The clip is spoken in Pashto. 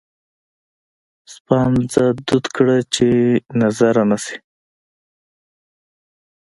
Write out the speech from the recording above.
سپانځه دود کړه چې نظره نه شي.